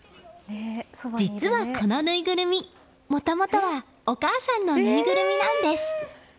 実はこのぬいぐるみ、もともとはお母さんのぬいぐるみなんです。